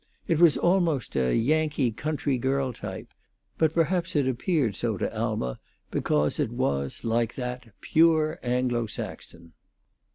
It was almost a Yankee country girl type; but perhaps it appeared so to Alma because it was, like that, pure Anglo Saxon.